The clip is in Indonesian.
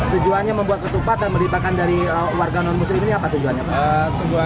tujuannya membuat ketupat yang melipatkan dari warga non muslim ini apa tujuannya pak